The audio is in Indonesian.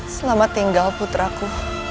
selamat tinggal putraku